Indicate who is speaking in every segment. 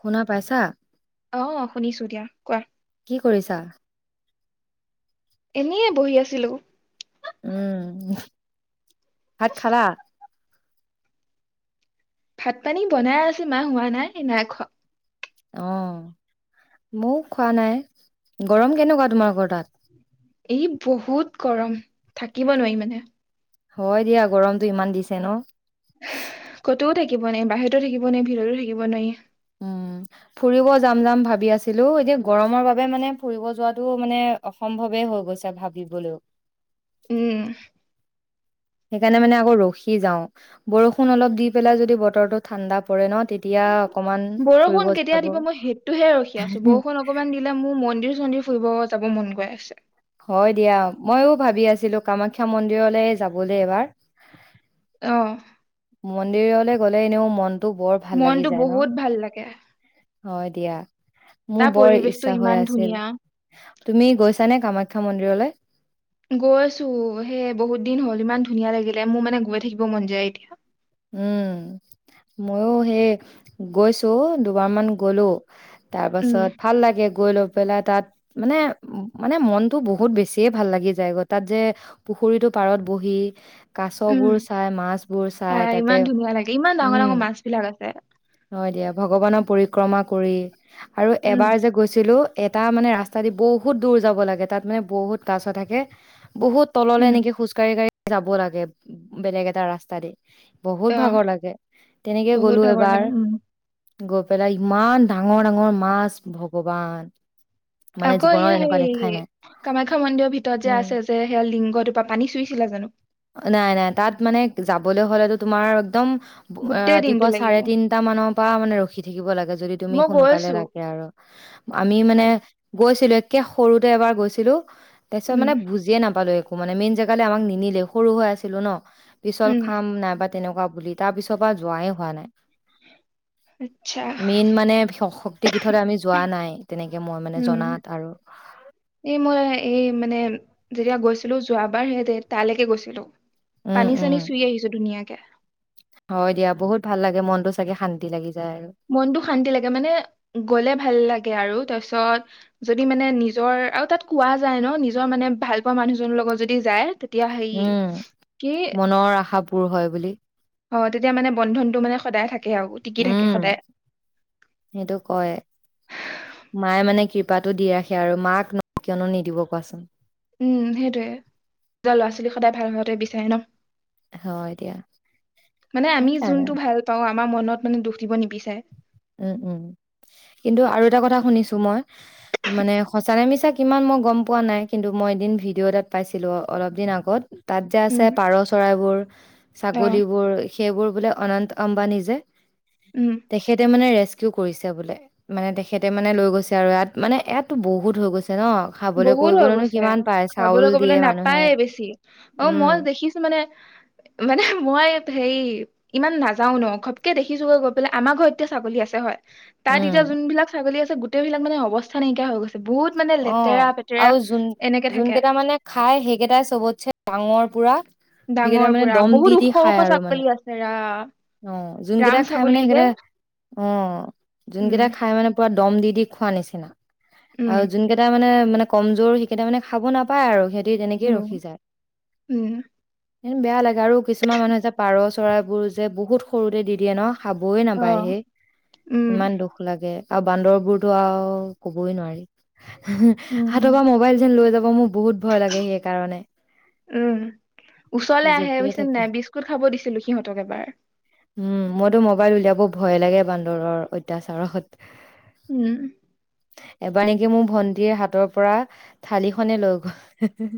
Speaker 1: শুনা পাইছা?
Speaker 2: অহ শুনিছো দিয়া কোৱা
Speaker 1: কি কৰিছা
Speaker 2: এনেয়ে বহি আছিলোঁ
Speaker 1: উম ভাত খালা
Speaker 2: ভাত পানী বনাই আছে মা হোৱা নাই নাই খোৱা
Speaker 1: অ মোৱো খোৱা নাই গৰম কেনেকুৱা তোমালোকৰ তাত
Speaker 2: ই বহুত গৰম থাকিব নোৱাৰি মানে
Speaker 1: হয় দিয়া গৰমতটো ইমান দিছে ন
Speaker 2: ক'তোও থাকিব নাই বাহিৰতো থিব নাই ভিতৰতো থাকিব নোৱাৰি
Speaker 1: উম ফুৰিব যাম যাম ভাবি আছিলো এতিয়া গৰমৰ বাবে মানে ফুৰিব যোৱাাতটো মানে অসম্ভৱেই হৈ গৈছে ভাবিবলৈও
Speaker 2: উম
Speaker 1: সেইকাৰণে মানে আকৌ ৰখি যাওঁ বৰষুণ অলপ দি পেলাই যদি বতৰটো ঠাণ্ডা পৰে ন তেতিয়া অকমান ফুৰিব
Speaker 2: বৰষুণ কেতিয়া
Speaker 1: যাব।
Speaker 2: দিব মই সেইটোহে ৰখি আছো বৰষুণ অকণমান দিলে মোৰ মন্দিৰ চন্দিৰ ফুৰিব যাব মন গৈ আছে
Speaker 1: হয় দিয়া মইও ভাবি আছিলো কামাখ্যা মন্দিৰলে যাবলৈ এবাৰ
Speaker 2: আহ
Speaker 1: মন্দিৰলৈ গ'লে এনেও মন
Speaker 2: মনটো বহুত ভাল লাগে
Speaker 1: হয় দিয়া।
Speaker 2: তাৰ
Speaker 1: মোৰ বৰ
Speaker 2: পৰিৱেশটো
Speaker 1: ইচ্ছা হৈ
Speaker 2: ইমান
Speaker 1: আছিল
Speaker 2: ধুনীয়া
Speaker 1: তুমি গৈছ নে কামাখ্যা ক্ষা মন্দিৰলৈ
Speaker 2: গৈছো হে বহুত দিন হ'ল ইমান ধুনীয়া লাগিলে মোৰ মানে গৈ থাকিব মন যায় এতিয়া
Speaker 1: উম ময়ো সেই গৈছো দুবাৰমান গলো তাৰ
Speaker 2: উম
Speaker 1: পাছত ভাল লাগে গৈ লৈ পেলাই তাত মানে মানে মনতটো বহুত বেছিয়ে ভাল লাগি যায় গ তাত যে পুখুৰীতটো পাৰত বহি
Speaker 2: উম
Speaker 1: কাছবোৰ চাই মাছবোৰ চাই
Speaker 2: তাই
Speaker 1: তাতে
Speaker 2: ইমান ধুনীয়া লাগে ইমান ডাঙৰ
Speaker 1: উম
Speaker 2: ডাঙৰ মাছ বিলাক আছে
Speaker 1: হয় দিয়া ভগৱানৰ পৰিক্ৰমা কৰি আৰু
Speaker 2: উম,
Speaker 1: এবাৰ যে গৈছিলো এটা মানে ৰাস্তা দি বহুত দূৰ যাব লাগে তাত মানে বহুত কাছ থাকে, বহুত তললে
Speaker 2: উম,
Speaker 1: এনেকে খোজকাৰি কাৰি যাব লাগে বেলেগ এটা ৰাস্তা দি বহুত
Speaker 2: অ,
Speaker 1: ভাগৰ লাগে তেনেকে
Speaker 2: বহুত
Speaker 1: গ'লো
Speaker 2: ভাগৰ
Speaker 1: এবাৰ
Speaker 2: লাগে, উম,
Speaker 1: গৈ পেলাই ইমান ডাঙৰ ডাঙৰ মাছ ভগৱান মানে
Speaker 2: আকৌ
Speaker 1: জীৱনত
Speaker 2: এয়া হে
Speaker 1: এনেকুৱা দেখাই নাই
Speaker 2: কামাখ্যা মন্দিৰৰ ভিতৰত যে
Speaker 1: উম,
Speaker 2: আছে যে সেয়া লিংগটোপ পানী চুইছিলা জানো
Speaker 1: বলে হ'লেতো তোমাৰ একদম
Speaker 2: গোটেই দিনটো
Speaker 1: ৰাতিপুৱা
Speaker 2: লাগিব,
Speaker 1: চাৰে তিনটা মানৰ পৰা মানে ৰখি থাকিব লাগে যদি তুমি
Speaker 2: মই
Speaker 1: সোনকালে
Speaker 2: গৈছো
Speaker 1: লাগে আৰু আমি মানে
Speaker 2: তাত,
Speaker 1: গৈছিলো একে সৰুতে এবাৰ গৈছিলো তাৰ
Speaker 2: উম,
Speaker 1: পিছতানে বুজিয়ে নাপালো একো মানে মেইন জেগালৈ আমাক নিনিলে সৰু হৈ আছিলো ন পিছল
Speaker 2: উম,
Speaker 1: খাম নাইবা তেনেকুৱা বুলি তাৰ পিছৰ পৰা যোৱাই হোৱা নাই
Speaker 2: আচ্ছা,
Speaker 1: মেইন মানে শক্তি পীঠলৈ আমি যোৱা নাই তেনেকে মই মানে
Speaker 2: উম,
Speaker 1: জনাত আৰু
Speaker 2: এই মই এই মানে যেতিয়া গৈছিলো যোৱাবাৰ সিহঁতে তালৈকে গৈছিলো
Speaker 1: উম
Speaker 2: পানী
Speaker 1: উম
Speaker 2: চানী চুই আহিছো ধুনীয়ীয়াকে কেহ
Speaker 1: হয় দিয়া বহুত ভাল লাগে মনতো চাগে শান্তি লাগি। যায় আৰু
Speaker 2: মনতটো শান্তি লাগে মানে গ'লে ভাল লাগে আৰু যাছ। পিছত যদি মানে নিজৰ আৰু তাত কোৱা যায় ন নিজৰ মানে ভাল পোৱা মানুহজনৰ লগত যদি যায় তেতিয়া হেৰি
Speaker 1: উম
Speaker 2: কি
Speaker 1: মনৰ আশা পূৰ হয় বুলি
Speaker 2: অ তেতিয়া মানে বন্ধনটো মানে সদায় থাকে আৰু টিকি থাকে
Speaker 1: উম
Speaker 2: সদায়
Speaker 1: সেইটো কয় মায়ে মানে কি কৃপাতো দি ৰাখে আৰু মাক কিয়নো নিদিব কোৱাচোন
Speaker 2: উম সেইটোৱে নিজৰ ল'ৰা ছোৱালী সদায় ভাল হোৱাতো এ বিচাৰে ন
Speaker 1: হয় দিয়া
Speaker 2: মানে আমি
Speaker 1: সেইকাৰণে
Speaker 2: যোনটো ভাল পাওঁ আমাৰ মনত মানে দুখ দিব নিবিচাৰে
Speaker 1: উম উম কিন্তু আৰু এটা কথা শুনিছো মই মানে সঁচানে মিছা কিমান মই গম পোৱা নাই কিন্তু মই এদিন ভিডিঅ' এটাত পাইছিলো অলপ দিন আগত তাত যে আছে
Speaker 2: উম
Speaker 1: পাৰ চৰাইবোৰ
Speaker 2: অ
Speaker 1: ছাগলীবোৰ সেইবোৰ বোলে অনন্ত আম্বানী যে
Speaker 2: উম
Speaker 1: এতিয়া মানে ৰেস্কিউ কৰিছে বোলে মানে তেখেতে মানে লৈ গৈছে আৰু ইয়াত মানে ইয়াতো বহুত হৈ গৈছে ন খাবলৈ
Speaker 2: বহুত হৈ
Speaker 1: কৰিবলৈনো
Speaker 2: গৈছে
Speaker 1: কিমান পায় চাউল
Speaker 2: খাবলৈ কবলৈ
Speaker 1: দিয়ে মানুহে
Speaker 2: নাপায়ে বেছি অ মই
Speaker 1: উম
Speaker 2: দেখিছো মানে মানে মই হেৰি ইমান নাযাও ন ঘপকে দেখিছো গৈ গৈ পেলাই আমাৰ ঘৰটো এতিয়া ছাগলী আছে হয় তাত এতিয়া
Speaker 1: উম
Speaker 2: যোনবিলাক ছাগলী আছে গোটেইলাক মানে অৱস্থা নাইকিয়া হৈ গৈছে বহুত মানে লেট
Speaker 1: অ আৰু যোন যোন কেইটা মানে খাই সেইকেইটাই চবতছে ডাঙৰ পুৰা সেইকেইটা
Speaker 2: ডাঙৰ
Speaker 1: মানে
Speaker 2: পুৰা
Speaker 1: দম দি
Speaker 2: বহুত
Speaker 1: দি
Speaker 2: ওখ
Speaker 1: খাই
Speaker 2: ওখ
Speaker 1: আৰু মানে
Speaker 2: ছাগলী আছে ৰা
Speaker 1: অ যোন
Speaker 2: ৰাম
Speaker 1: কেইটা খাই মানে
Speaker 2: ছাগলী যে
Speaker 1: সেইকেইটা অ যোন
Speaker 2: উম
Speaker 1: কেইটা খাই মানে পোৰা দম দি দি খোৱা নিছিনা
Speaker 2: উম
Speaker 1: আৰু যোনকেইটা মানে মানে কমজোৰ সেইকেইটা মানে খাব নাপায় আৰু সেহ টি তেনেকেই
Speaker 2: উম
Speaker 1: ৰখি যায়
Speaker 2: উম
Speaker 1: এনে বেয়া লাগে আৰু কিছুমান মানুহে যে পাৰ চৰাইবোৰ যে বহুত সৰুতে দি দিয়ে ন খাবই
Speaker 2: অ
Speaker 1: নাপায় হে
Speaker 2: উম
Speaker 1: ইমান দুখ লাগে আৰু বান্দৰবোৰতো আৰু কবই নোৱাৰি হুহু
Speaker 2: উম
Speaker 1: হাতৰ পৰা মোবাইল যেন লৈ যাব আকৌ মো
Speaker 2: উম ওচৰলে আহে
Speaker 1: জঁপিয়াই
Speaker 2: বুইজ নে
Speaker 1: থাকে।
Speaker 2: নাই বিস্কুট খাব দিছিলো সিহঁতক এবাৰ
Speaker 1: উম মইতো মোবাইল উলিয়াব ভয় লাগে বান্দৰৰ অত্যাচাৰত
Speaker 2: উম
Speaker 1: এবাৰ নেকি মোৰ ভন্টিৰ হাতৰ পৰা থালি খনে লৈ গ'ল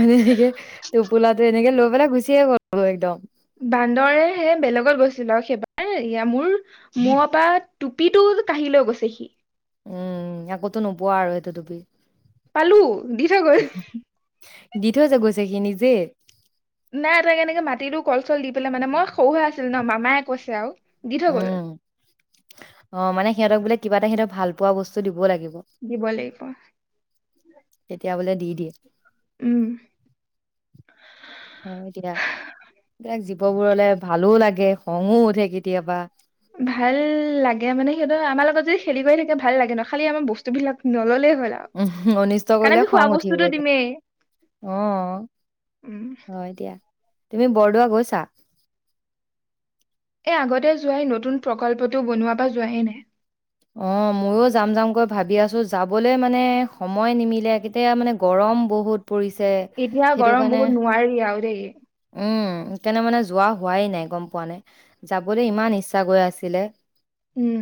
Speaker 1: মানে এনেকে টোপোলাটো এনেকে ল মানে গুছিয়ে গ'ল একদম
Speaker 2: বান্দৰে হে বেলেগত গৈছিলো আৰু সেইবাৰ মোৰ মুৰৰ পৰা টুপিটো কঢ়ি লৈ গৈছেহি
Speaker 1: উম আকৌটো নোপোৱা আৰু সেইটো টুবি
Speaker 2: পালো দি থৈ গ'ল
Speaker 1: গৈছে খিনি যে
Speaker 2: নাই তাক কেনেকে মাতিলো কল চল দি পেলাই মানে মই সৰু হৈ আছিলো ন মামাই কৈছে আৰু দি থৈ গ'ল
Speaker 1: উম অ মানে সিহঁতক বোলে কিবা এ সিহঁত ভাল পোৱা বস্তু দিব লাগে
Speaker 2: দিব লাগিব
Speaker 1: তেতিয়া বোলে দি দিয়ে
Speaker 2: উম
Speaker 1: হয় কিবা যিবো সেইবোৰলে ভালো লাগে খঙো উঠে কেতিয়াবা
Speaker 2: ভাল লাগে মানে সিহঁতৰ আমাৰ লগত যদি খেলি কৰি থাকে ভাল লাগে ন খালি আমাৰ বস্তু বিলাক নল'লে
Speaker 1: উমহ অনিষ্ট কৰিলে খং উঠিব
Speaker 2: দিমেই।
Speaker 1: দিয়া অহ হয় দিয়া তুমি বৰদোৱা গৈছা
Speaker 2: এই আগতে যোৱাই নতুন প্ৰকল্পটো বনোৱাৰ পৰা যোৱাহে নাই
Speaker 1: অ ময়ো যাম যাম গৈ ভাবি আছো যাবলৈ মানে সময় নিমিলে কেতিয়া মানে গৰম বহুত পৰিছে
Speaker 2: এতিয়া
Speaker 1: সেইটো
Speaker 2: গৰম
Speaker 1: কাৰণে
Speaker 2: বহুত নোৱাৰি আৰু দেই
Speaker 1: সেইকাৰণেই মানে যোৱা হোৱাই নাই গম পোৱা নে যাবলৈ ইমান ইচ্ছা গৈ আছিলে
Speaker 2: উম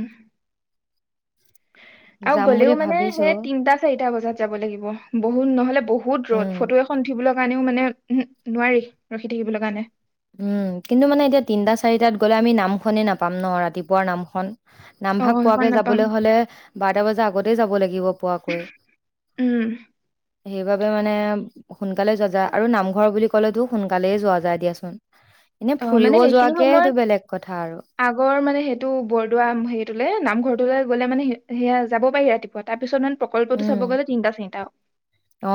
Speaker 2: আৰু
Speaker 1: যাম বুলি
Speaker 2: গ'লেও মানে
Speaker 1: ভাবিছো।
Speaker 2: সেই তিনটা চাৰিটা বজাত যাব লাগিব বহুত নহলে বহুত বহুত ৰদ
Speaker 1: উম,
Speaker 2: ফটো এখন উঠিবলৈ কাৰণে কাৰণেও মানে উম নোৱাৰি ৰখি থাকিবলৈ কাৰণে
Speaker 1: উম কিন্তু মানে এতিয়া তিনটা চাৰিটাত গলে আমি নামখনেই নাপাম ন ৰাতিপুৱাৰ নামখন
Speaker 2: অ
Speaker 1: নামভাগ
Speaker 2: সেইখন
Speaker 1: পোৱাকে
Speaker 2: নাপাম
Speaker 1: যাবলৈ হলে বাৰটা বজা আগত তে যাব লাগিব পোৱাকৈ
Speaker 2: উম
Speaker 1: সেইবাবে মানে সোনকালে যোৱা যায় আৰু নামঘৰ বুলি ক'লেতো সোনকালেই যোৱা যায় দিয়াচোন এনে
Speaker 2: অ
Speaker 1: ফুৰিব
Speaker 2: মানে সেইখিনি
Speaker 1: যোৱাকে সেইটো
Speaker 2: সময়ত
Speaker 1: বেলেগ কথা আৰু।
Speaker 2: আগৰ মানে সেইটো বৰদোৱা হেৰিটোলে নামঘৰ লৈ গ'লে মানে সেয়া যাব পাৰি ৰাতিপুৱা তাৰ পিছত মানে প্ৰকল্পতো
Speaker 1: উম,
Speaker 2: চাব গ'লে তিনিটা চাৰিটা আৰু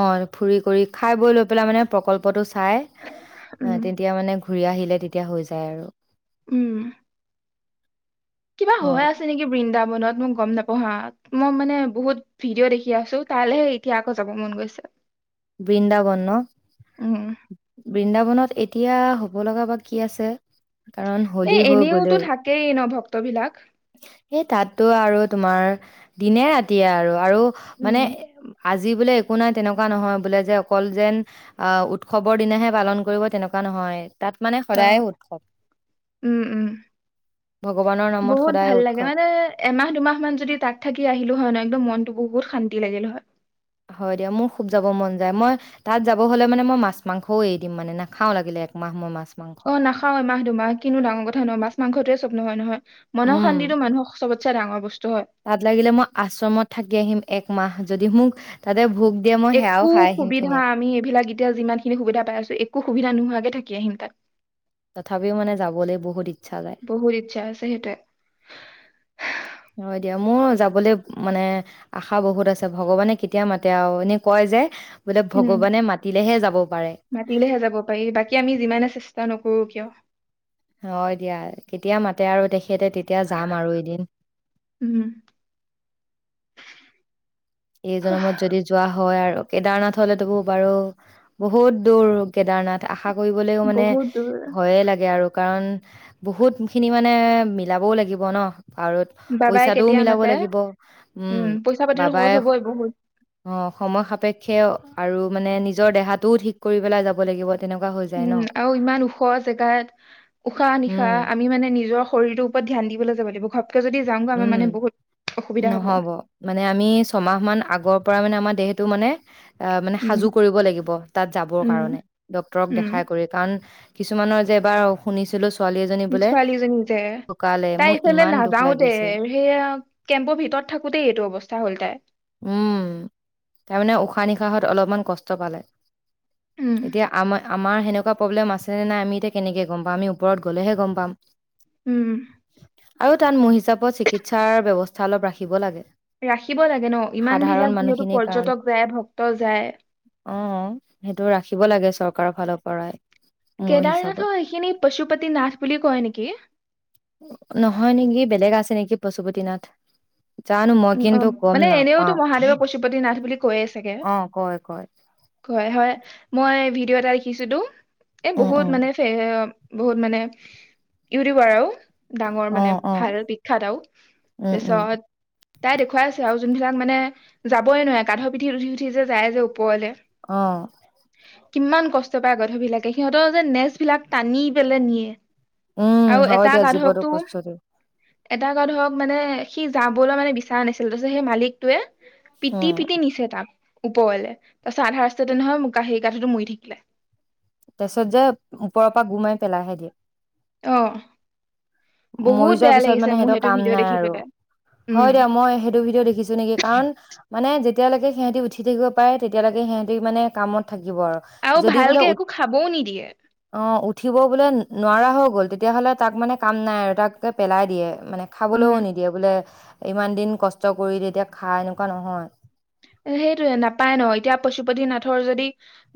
Speaker 1: অ ফুৰি কৰি খাই বৈ লৈ পেলাই মানে প্ৰকল্পটো চ খাই
Speaker 2: উম
Speaker 1: অ তেতিয়া মানে ঘূৰি আহিলে তেতিয়া হৈ যায় আৰু
Speaker 2: উম কিবা
Speaker 1: হয়।
Speaker 2: হৈ আছে নেকি বৃন্দা বনত মোক গম নাপাও হা মই মানে বহুত ভিডিঅ' দেখি আছো তালৈহে এতিয়া আকৌ যাব মন গৈছে।
Speaker 1: বৃন্দাবন ন
Speaker 2: উম
Speaker 1: বৃন্দাবনত এতি এতিয়া হ'ব লগা বা কি আছে কাৰণ
Speaker 2: এ
Speaker 1: হোলী হৈ
Speaker 2: এনেওতো
Speaker 1: গলেই
Speaker 2: থাকেই ন ভক্তবিলাক
Speaker 1: সেই তাতটো আৰু তোমাৰ দিনে ৰাতিয়ে আৰু আৰু মানে
Speaker 2: উম
Speaker 1: আজি আজি বোলে একো নাই তেনেকুৱা নহয়। বোলে যে অকল যেন উৎসৱৰ দিনাহে পালন কৰিব তেনেকুৱা নহয়। তাত মানে
Speaker 2: অহ
Speaker 1: সদায় উৎসৱ
Speaker 2: উম উম
Speaker 1: ভগৱানৰ নামত
Speaker 2: বহুত
Speaker 1: সদায়
Speaker 2: ভাল লাগে
Speaker 1: উৎসৱ
Speaker 2: মানে এমাহ দুমাহ মান যদি তাক থাকি আহিলো হয় নহ একদম মনতটো বহুত শান্তি লাগিল হয়
Speaker 1: হয় দিয়া মোৰ খুব যাব মন যায় মই তাত যাব হলে মানে মই মাছ মাংসও এৰি দিম মানে নাখাও লাগিলে একমাহ মই মাছ মাংস
Speaker 2: অহ নাখাও এমাহ দুমাহ কিনো ডাঙৰ কথা নহয় মাছ মাংসটোৱে চব নহয় নহয় মনৰ
Speaker 1: উম
Speaker 2: শান্তিতো মানুহক চবত চে ডাঙৰ বস্তু হয়
Speaker 1: তাত লাগিলে মই আশ্ৰমত থাকি আহিম একমাহ যদি মোক তাতে ভোগ দিয়ে মই সেয়াও
Speaker 2: একো
Speaker 1: খাই আহিম
Speaker 2: সুবিধা
Speaker 1: ধুনীয়াকে
Speaker 2: আমি এইবিলাক এতিয়া যিমান খিনি সুবিধা পাই আছো একো সুবিধা নোহোৱাকে থাকিম থাকি আহিম তাক
Speaker 1: তথাপিও মানে যাবলৈ বহুত্ ইচ্ছা যায়
Speaker 2: বহুত ইচ্ছা আছে হেইটোৱে। হা হা
Speaker 1: হয় দিয়া মোৰ যাবলৈ মানে আশা বহুত আছে ভগৱানে কেতিয়া মাতে আৰু এনে কয় যে বোলে
Speaker 2: উম
Speaker 1: ভগৱানে মাতিলেহে যাব পাৰে
Speaker 2: মাতিলেহে যাব পাৰি বাকী আমি যিমানে চেষ্টা নকৰো নকৰো কিয়।
Speaker 1: হয় দিয়া কেতিয়া মাতে আৰু দেখি তেখেতে তেতিয়া যাম আৰু এদিন।
Speaker 2: উম
Speaker 1: এই জনমত যদি যোৱা হয় আৰু কেদাৰনাথ হ'লেতো বাৰু বহুত দূৰ কেদাৰনাথ আশা কৰিবলৈও মানে
Speaker 2: বহুত দূৰ
Speaker 1: ভয়ে লাগে আৰু কাৰণ বহুত খিনি মানে মিলাবও লাগিব ন পত
Speaker 2: বাবাই
Speaker 1: পইচাটোও
Speaker 2: কেতিয়া
Speaker 1: মিলাব
Speaker 2: মাতে
Speaker 1: লাগিব উম
Speaker 2: পইচা পাতিতো
Speaker 1: বাবাই
Speaker 2: খৰচ হ'বই বহুত
Speaker 1: অহ সময় সাপেক্ষে আৰু মানে নিজৰ দেহাটোও ঠিক কৰি পেলাই যাব লাগিব। তেনেকুৱা হৈ যায় ন
Speaker 2: উম। আৰু ইমান ওখ জেগাত উশাহ
Speaker 1: উম
Speaker 2: নিশাহ আমি মানে নিজৰ শৰীৰটোৰ ওপৰত ধ্যান দিবলৈ যাব লাগিব। কৈ যদি যাওঁগৈ আমাৰ
Speaker 1: উম
Speaker 2: মানে বহুত অসুবিধা হ'ব
Speaker 1: নহব মানে আমি ছমাহ মান আগৰ পৰা মানে আমাৰ দেহটো মানে আহ মানে
Speaker 2: উম
Speaker 1: সাজু কৰিব লাগিব তাত যাবৰ
Speaker 2: উম
Speaker 1: কাৰণে ডক্টৰক
Speaker 2: উম
Speaker 1: দেখাই কৰি কাৰণ কিছুমানৰ যে এবাৰ শুনিছিলো ছোৱালী এজনী
Speaker 2: [unintelligible]
Speaker 1: বোলে
Speaker 2: ছোৱালীজনী যে,
Speaker 1: ঢুকালে
Speaker 2: তাই
Speaker 1: মোৰ
Speaker 2: ইফালে
Speaker 1: ইমান দুখ
Speaker 2: নাযাওতে
Speaker 1: লাগিছে
Speaker 2: সেইয়া কেম্পৰ ভিতৰত থাকোতেই এইটো অৱস্থা হ'ল তাই
Speaker 1: হত অলপমান কষ্ট পালে।
Speaker 2: উম
Speaker 1: এতিয়া আমা আমাৰ সেনেকুৱা প্ৰব্লেম আছেনে নাই আমি এতি কেনেকে গম পাম আমি ওপৰত গলেহে গম পাম।
Speaker 2: উম।
Speaker 1: আৰু তাত মোৰ হিচাপত চিকিৎসাৰ ব্যৱ [unintelligible] ৰাখিব লাগে।
Speaker 2: ৰাখিব লাগে ন ইমান
Speaker 1: সাধাৰণ
Speaker 2: বিলাকে যিহেতু
Speaker 1: মানুহখিনিৰ কাৰণে
Speaker 2: পৰ্যটক যায়, ভক্ত যায়।
Speaker 1: অ সেইটো ৰাখিব লাগে চৰকাৰৰ ফালৰ পৰাই মোৰ হিচাপত
Speaker 2: কেদাৰনাথৰ এইখিনি পচুপতি নাথ বুলি কয় নেকি?
Speaker 1: নহয় নেকি বেলেগ আছে নেকি পচুপতি নাথ?
Speaker 2: উ অ মানে এনেওতো
Speaker 1: নাপাওঁ।
Speaker 2: মহাদেৱে পশুপতি নাথ বুলি কৈয়ে চাগে।
Speaker 1: অ কয় কয়।
Speaker 2: কয় হয়। মই ভিডিঅ' এটা [unintelligible] এ
Speaker 1: উম
Speaker 2: বহুত
Speaker 1: উম
Speaker 2: মানে বহুত মানে ইউটিউবাৰও ডাঙৰ
Speaker 1: অ
Speaker 2: মানে
Speaker 1: অ
Speaker 2: ভাল বিখ্যাত আউ
Speaker 1: উম উম
Speaker 2: পিছত তাই দেখুৱাই আছে আৰু যোনবিলাক মানে যাবই নোৱাৰে গাধৰ পিঠিত উঠি - উঠি যে যায় যে ওপৰলে
Speaker 1: অ'।
Speaker 2: কিমান কষ্ট পায় গাধবিলাকে সিহঁতৰ যে নেজ বিলাক টানি পেলে নিয়ে।
Speaker 1: উম।
Speaker 2: আৰু
Speaker 1: হয়
Speaker 2: এটা
Speaker 1: দিয়া জীৱতোক
Speaker 2: গাধকটো
Speaker 1: কষ্ট দিয়া।
Speaker 2: এটা গাধক মানে সি জা মানে বিচাৰা নাছিল তাৰপিত সেই মালিকটোৱে পিটি
Speaker 1: উম
Speaker 2: পিটি নিছে তাক। ওপৰলে, তাৰপাছত আধা ৰাস্তাতে নহয় [unintelligible] [unintelligible] মৰি থাকিলে।
Speaker 1: তাপিছত যে ওপৰৰ পৰা গোৰ মাৰি পেলাইহে দিয়ে।
Speaker 2: অহ।
Speaker 1: মৰি যোৱা পিছত মানে সিহতৰ কাম
Speaker 2: ভিডিঅ'
Speaker 1: নাই
Speaker 2: দেখি
Speaker 1: আৰু।
Speaker 2: পেলাই
Speaker 1: হয়
Speaker 2: উম
Speaker 1: দিয়া মই সেইটো ভিডিঅ' দেখিছো নেকি কাৰণ মানে যেত তেতিয়ালৈকে সিহঁতি উঠি থাকিব পাৰে তেতিয়ালৈকে সিহঁতি মানে কামত থাকিব আৰু যদি বোলে
Speaker 2: ভালকে একো খাবও নিদিয়ে
Speaker 1: অ উঠিব বোলে নোৱাৰা হৈ গ'ল তেতিয়াহ'লে তাক মানে কাম নাই আৰু তাকটো পেলাই দিয়ে মানে খাবলৈও
Speaker 2: উম
Speaker 1: নিদিয়ে বোলে ইমান দিন কষ্ট কৰি তেতিয়া খা এনেকুৱা নহয়
Speaker 2: সেইটোয়ে নাপায় ন এতিয়া পশুপতি নাথৰ যদি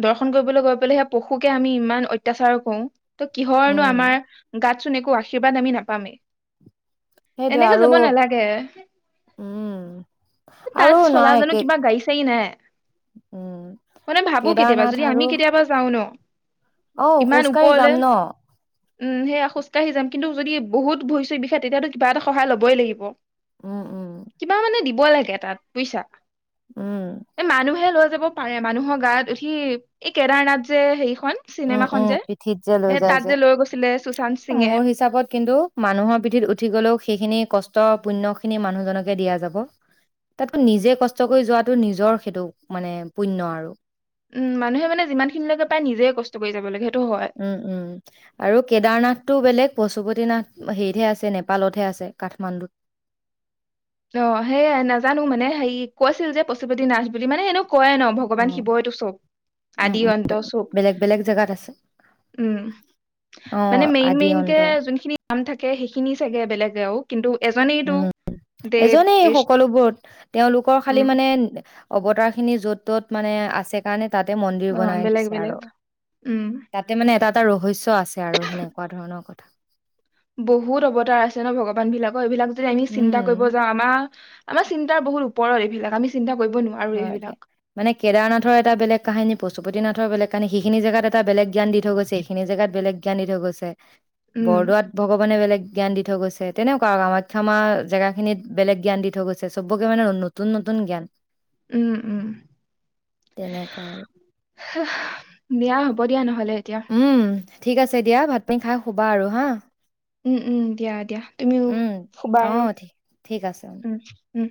Speaker 2: দৰ্শন কৰিবলৈ গৈ পেলাই সেই পশুকে আমি ইমান অত্যাচাৰ কৰো ত কিহৰনো
Speaker 1: উম,
Speaker 2: আমাৰ গাত চোন একো আশীৰ্বাদ আমি নাপামেই
Speaker 1: সেইটোৱে
Speaker 2: এনেকে
Speaker 1: আৰু
Speaker 2: যাব নালাগে
Speaker 1: উম
Speaker 2: তাত
Speaker 1: আৰু
Speaker 2: চলা
Speaker 1: নহয়
Speaker 2: জানো
Speaker 1: একে
Speaker 2: কিবা গাড়ী চাড়ী নাই মানে ভাবো কেতিয়াবা
Speaker 1: কেদাৰনাথ
Speaker 2: যদি আমি
Speaker 1: আৰু
Speaker 2: কেতিয়াবা যাও ন
Speaker 1: অ',
Speaker 2: ইমান
Speaker 1: খোজকাঢ়ি
Speaker 2: ওপৰলে
Speaker 1: যাম ন?
Speaker 2: উম সেইয়া খোজকাঢ়ি যাম কিন্তু যদি বহুত ভৰি চৰি বিষায় তেতিয়াতো কিবা এটা সহায় লবই লাগিব
Speaker 1: উম উম
Speaker 2: ব লাগে তাত বুইছা
Speaker 1: উম,
Speaker 2: এই মানুহে লৈ যাব পাৰে মানুহৰ গাত উঠি এই কেদাৰনাথ যে হেৰি
Speaker 1: উম উম পিঠিত যে লৈ যায় যে
Speaker 2: লৈ গৈছিলে সুশান্ত সিঙে
Speaker 1: মোৰ হিচাপত কিন্তু মানুহৰ পিঠিত উঠি গলেও সেইখিনি কষ্ট কষ্ট পুণ্য খিনি মানুহজনকে দিয়া যাব তাতকে নিজে কষ্ট কৰি যোৱাটো নিজৰ সেইটো মানে পুণ্য আৰু
Speaker 2: উম মানুহে মানে যিমান খিনিলৈকে পাৰে নিজে কষ্ট কৰি যাব লাগে সেইটো হয়
Speaker 1: উম উম আৰু কেদাৰনাথটো বেলেগ পশুপতি নাথ হেৰিতহে আছে নেপালতহে আছে কাঠমাণ্ডুত
Speaker 2: অ সেয়াই নাজানো মানে হেৰি কৈছিল যে পশুপতি নাথ বুলি মানে এনেও কয় ন ভগৱান
Speaker 1: অ',
Speaker 2: শিৱইটো চব
Speaker 1: উম,
Speaker 2: আদি
Speaker 1: উম।
Speaker 2: অন্ত চব
Speaker 1: বেলেগ বেলেগ জেগাত আছে
Speaker 2: উম মানে
Speaker 1: অ',
Speaker 2: মেইন
Speaker 1: আদি
Speaker 2: মেইন কে
Speaker 1: অন্ত
Speaker 2: যোনখিনি নাম থাকে সেইখিনি চাগে বেলেগেও কিন্তু এজনিটো
Speaker 1: উম, এজনেই সকলোবোৰত তেওঁলোকৰ খালি
Speaker 2: উম
Speaker 1: মানে অৱতাৰ খিনি য'ত ত'ত মানে আছে কাৰণে তাতে মন্দিৰ
Speaker 2: অ
Speaker 1: বনাই
Speaker 2: বেলেগ
Speaker 1: দিছে
Speaker 2: বেলেগ
Speaker 1: আৰু
Speaker 2: উম
Speaker 1: তাতে মানে এটা এটা ৰহস্য আছে আৰু সেনেকুৱা ধৰণৰ কথা
Speaker 2: বহুত অৱতাৰ আছে ন ভগৱান বিলাকৰ এইবিলাক যদি আমি
Speaker 1: উম,
Speaker 2: চিন্তা কৰিব যাওঁ আমাৰ আমাৰ চিন্তাৰ বহুত ওপৰত এইবিলাক আমি চিন্তা কৰিব নোৱাৰো
Speaker 1: হয় দিয়া
Speaker 2: এইবিলাক
Speaker 1: মানে কেদাৰনাথৰ এটা বেলেগ কাহিনী প্ৰস্তুত চুপতিনাথৰ বেগ কাৰণে সিখিন জেগাত এটা বলেগ জ্ঞান থৈছে এইখিন জেগাত বেলেগ জ্ঞান দি থৈ গৈছে
Speaker 2: উম
Speaker 1: বৰদোৱাত ভগৱানে বেলেগ জ্ঞান দি থৈ গৈছে তেনেকুৱা আৰু কামাখ্যাামা জেগাখিনিত বেলেগ জ্ঞান দি থৈ গৈছে চবকে মানে নতুন নতুন জ্ঞান
Speaker 2: উম উম
Speaker 1: তেনেকুৱা আৰু
Speaker 2: বিয়া হব হ'ব দিয়া নহ'লে এতিয়া
Speaker 1: উম ঠিক আছে দিয়া ভাত পানী খাই শুবা আৰু হা
Speaker 2: উম উম দিয়া দিয়া তুমিও
Speaker 1: উম
Speaker 2: শোবা
Speaker 1: অ
Speaker 2: আৰু
Speaker 1: ঠিক ঠিক আছে
Speaker 2: উম উম